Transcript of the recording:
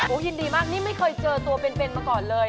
ยินดีมากนี่ไม่เคยเจอตัวเป็นมาก่อนเลย